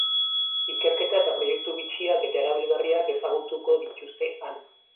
Ikerketa eta proiektu bitxiak eta erabilgarriak ezagutuko dituzte han.